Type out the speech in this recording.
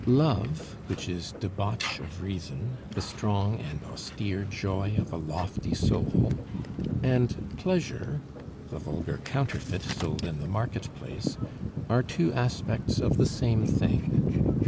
Love, which is debauch of reason, the strong and austere joy of a lofty soul, and pleasure, the vulgar counterfeit sold in the market place, are two aspects of the same thing.